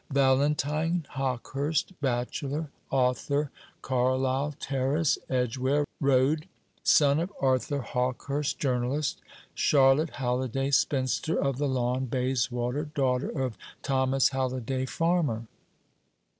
"Valentine Hawkehurst, bachelor, author, Carlyle Terrace, Edgware Road, son of Arthur Hawkehurst, journalist; Charlotte Halliday, spinster, of the Lawn, Bayswater, daughter of Thomas Halliday, farmer."